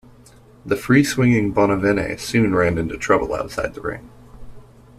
The free-swinging Bonavena soon ran into trouble outside the ring.